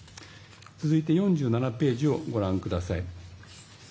続いて４７ページをご覧ください。